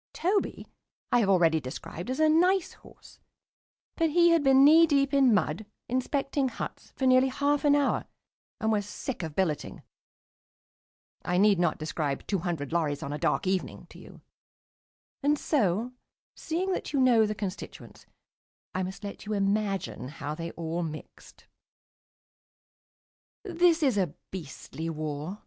Toby I have already described as a nice horse, but he had been knee deep in mud, inspecting huts, for nearly half an hour, and was sick of billeting. I need not describe two hundred lorries on a dark evening to you. And so, seeing that you know the constituents, I must let you imagine how they all mixed.... This is a beastly war.